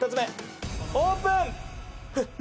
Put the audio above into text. オープン！